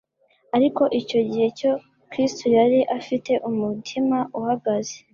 ariko icyo gihe cyo Kristo yari afite umutima uhagaze